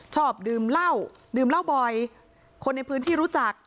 ชอบดื่มเหล้าดื่มเหล้าบ่อยคนในพื้นที่รู้จัก